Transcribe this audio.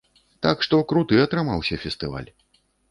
Так што круты атрымаўся фестываль!